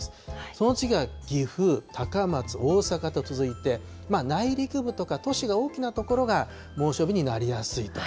その次は岐阜、高松、大阪と続いて、内陸部とか、都市が大きな所が猛暑日になりやすいと。